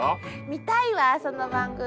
見たいわその番組。